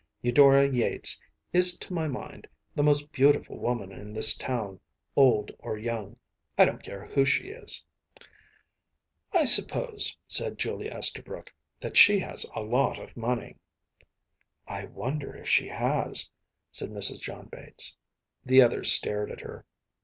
Eudora Yates is to my mind the most beautiful woman in this town, old or young, I don’t care who she is.‚ÄĚ “I suppose,‚ÄĚ said Julia Esterbrook, “that she has a lot of money.‚ÄĚ “I wonder if she has,‚ÄĚ said Mrs. John Bates. The others stared at her.